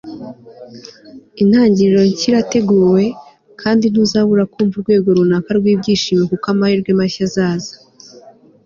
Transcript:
intangiriro nshya irateguwe, kandi ntuzabura kumva urwego runaka rw'ibyishimo kuko amahirwe mashya azaza